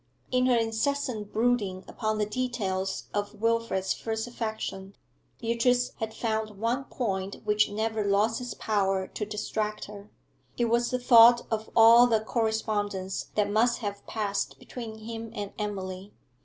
In her incessant brooding upon the details of Wilfrid's first affection, Beatrice had found one point which never lost its power to distract her; it was the thought of all the correspondence that must have passed between him and Emily.